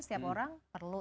setiap orang perlu